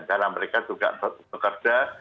karena mereka juga bekerja